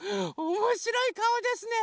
おもしろいかおですね。